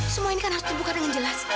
semua ini kan harus terbuka dengan jelas